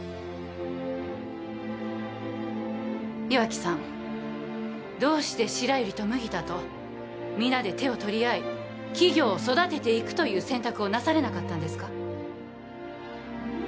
岩城さんどうして白百合と麦田と皆で手を取り合い企業を育てていくという選択をなされなかったんですか？